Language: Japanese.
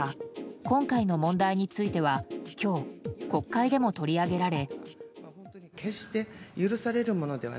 今回の問題については今日、国会でも取り上げられ。